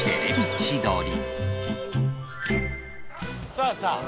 さあさあ